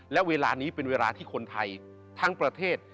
และเวลานี้เป็นเวลาที่คนไทยทั้งประเทศ